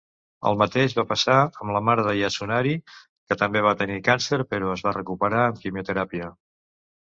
El mateix va passar amb la mare de Yasunari, que també va tenir càncer però es va recuperar amb quimioteràpia.